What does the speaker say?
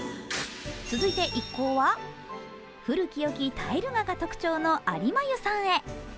続いて一行は古き良きタイル画が特徴の有馬湯さんへ。